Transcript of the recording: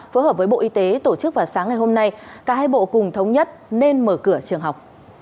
phối hợp với bộ y tế tổ chức vào sáng ngày hôm nay cả hai bộ cùng thống nhất nên mở cửa trường học